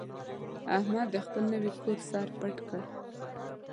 احمد د خپل نوي کور سر پټ کړ.